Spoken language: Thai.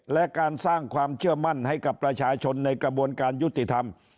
และการสร้างความเชื่อมั่นให้กับประชาชนในกระบวนการยุติธรรม